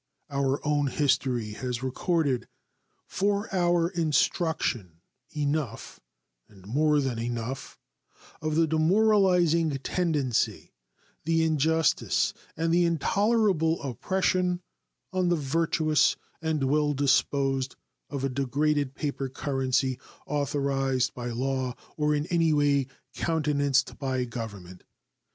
Our own history has recorded for our instruction enough, and more than enough, of the demoralizing tendency, the injustice, and the intolerable oppression on the virtuous and well disposed of a degraded paper currency authorized by law or in any way countenanced by government.